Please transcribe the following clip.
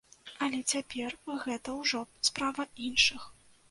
Але цяпер гэта ўжо справа іншых.